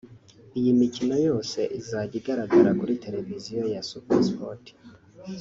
Iyi mikino yose izajya igaragara kuri televiziyo ya Super Sport